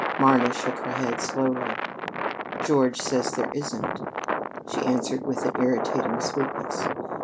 Marna shook her head slowly. "George says there isn't," she answered with an irritating sweetness.